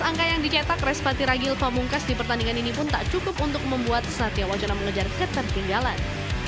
tujuh belas angka yang dicetak respatiragil pamungkas di pertandingan ini pun tak cukup untuk membuat satya wacana mengejar ketertinggalan